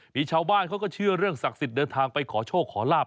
มีชาวบ้านเขาก็เชื่อเรื่องศักดิ์สิทธิ์เดินทางไปขอโชคขอลาบ